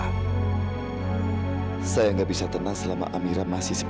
kalau tak papa usah kebcet